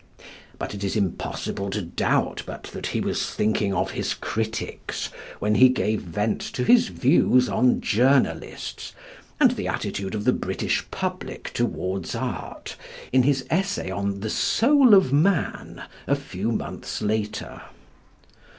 But it is impossible to doubt but that he was thinking of his critics when he gave vent to his views on journalists, and the attitude of the British public towards art, in his essay on The Soul of Man a few months later.